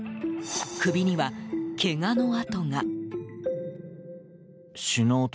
首には、けがの痕が。